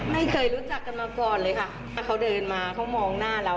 ไม่เคยรู้จักกันมาก่อนเลยค่ะแต่เขาเดินมาเขามองหน้าเรา